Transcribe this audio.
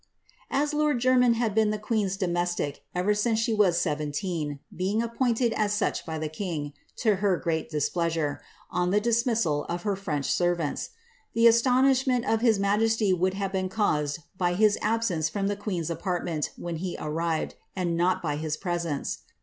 '' Ai lord Jermyn had been the queen's domestic erer since she was seTCB* teen — being appointed as such by the king, to her great displeasure, on the dismissal of her French servants — the astonishment of his majesqr would have been caused by his absence from the queen's apartment when he arrived, and not by his presence.